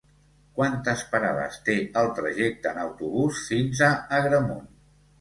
Quantes parades té el trajecte en autobús fins a Agramunt?